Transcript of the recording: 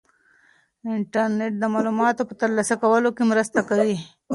انټرنيټ د معلوماتو په ترلاسه کولو کې مرسته کوي.